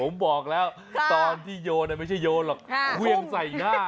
ผมบอกแล้วตอนที่โยนไม่ใช่โยนหรอกเครื่องใส่หน้า